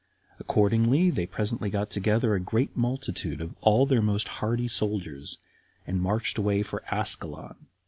Accordingly, they presently got together a great multitude of all their most hardy soldiers, and marched away for Ascalon.